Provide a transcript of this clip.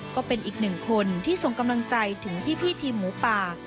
ก็เป็นอีกหนึ่งคนที่ส่งกำลังใจถึงพี่ทีมหมูป่า